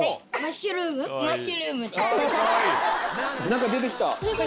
何か出て来た！